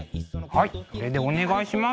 はいこれでお願いします。